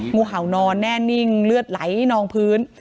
งูเห่านอนแน่นิ่งเลือดไหลนองพื้น